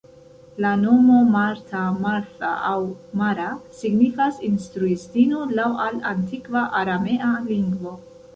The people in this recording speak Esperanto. La nomo "Marta", "Martha" aŭ "Mara" signifas "instruistino", laŭ al antikva aramea lingvo.